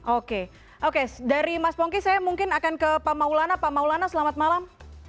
oke oke dari mas pongki saya mungkin akan ke pak maulana pak maulana selamat malam